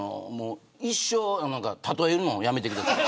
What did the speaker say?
一生、例えるのやめてください。